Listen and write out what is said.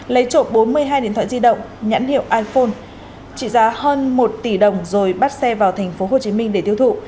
lấy trộm bốn mươi hai điện thoại di động nhãn hiệu iphone trị giá hơn một tỷ đồng rồi bắt xe vào thành phố hồ chí minh để thiêu thụ